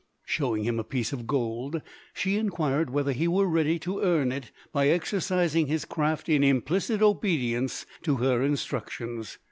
Showing him a piece of gold she inquired whether he were ready to earn it by exercising his craft in implicit obedience to her instructions.